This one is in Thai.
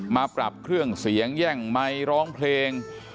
มาปรับเครื่องเสียงแย่งไมค์ร้องเพลง